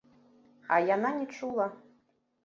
А яна не чула.